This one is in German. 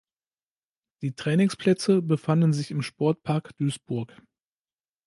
Die Trainingsplätze befanden sich im Sportpark Duisburg.